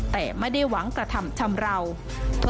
แต่ไม่ได้หวังกระทำชำราว